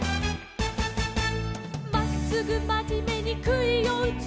「まっすぐまじめにくいをうつ」